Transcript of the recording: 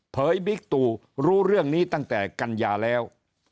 เยบิ๊กตูรู้เรื่องนี้ตั้งแต่กันยาแล้ว